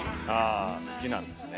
あ好きなんですね。